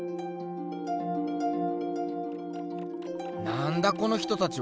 なんだこの人たちは？